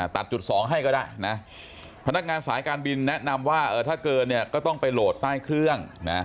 ตัดจุด๒ให้ก็ได้นะพนักงานสายการบินแนะนำว่าถ้าเกินเนี่ยก็ต้องไปโหลดใต้เครื่องนะ